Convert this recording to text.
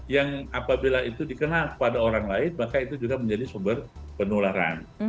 yang apabila itu dikenal pada orang lain maka itu juga menjadi sumber penularan